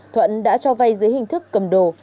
thuận đã cho vay dưới hình thức cầm đồ